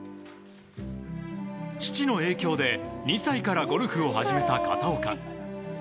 父の影響で２歳からゴルフを始めた片岡。